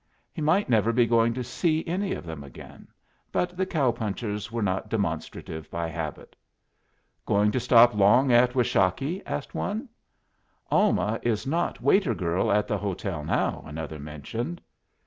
He might never be going to see any of them again; but the cow punchers were not demonstrative by habit. "Going to stop long at Washakie?" asked one. "Alma is not waiter girl at the hotel now," another mentioned.